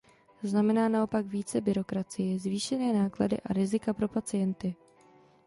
Znamená naopak více byrokracie, zvýšené náklady a rizika pro pacienty.